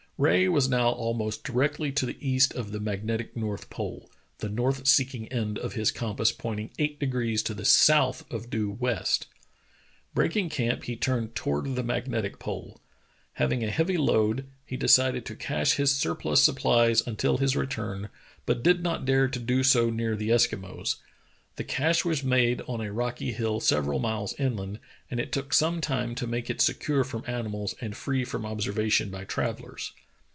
Rae was now almost directly to the east of the mag netic north pole, the north seeking end of his compass pointing eight degrees to the south of due zvest. Break ing camp, he turned toward the magnetic pole. Having a heavy load, he decided to cache his surplus supplies until his return, but did not dare to do so near the Eskimos. The cache was made on a rock} hill several miles inland, and it took some time to make it secure from animals and free from observation by travellers.